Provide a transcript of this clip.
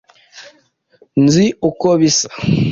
nzi uko bisa